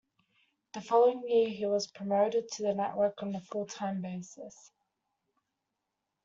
The following year, he was promoted to the network on a full-time basis.